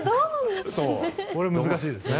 これは難しいですね。